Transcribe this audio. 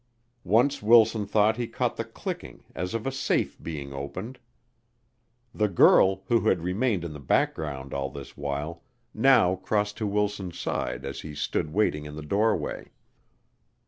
Once Wilson thought he caught the clicking as of a safe being opened. The girl, who had remained in the background all this while, now crossed to Wilson's side as he stood waiting in the doorway.